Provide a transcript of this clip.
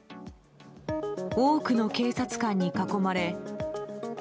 多くの警察官に囲まれ。